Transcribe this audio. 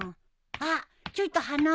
あっちょいと花輪君。